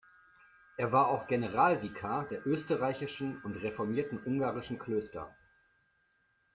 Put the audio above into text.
Er war auch Generalvikar der österreichischen und reformierten ungarischen Klöster.